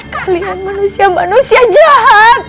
kalian manusia manusia jahat